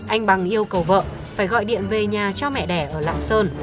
anh bằng yêu cầu vợ phải gọi điện về nhà cho mẹ đẻ ở lạng sơn